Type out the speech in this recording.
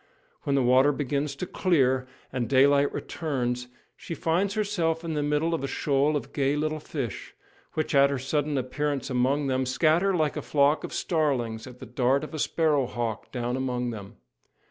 When the water begins to clear, and daylight returns, she finds herself in the middle of a shoal of gay little fish, which, at her sudden appearance among them, scatter like a flock of starlings at the dart of a sparrow hawk down among them.